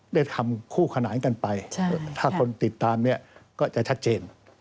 ได้ทำคู่ขนานกันไปถ้าคนติดตามเนี่ยก็จะชัดเจน